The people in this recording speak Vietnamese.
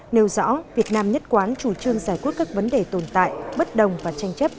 nêu rõ việt nam nhất quán chủ trương giải quyết các vấn đề tồn tại bất đồng và tranh chấp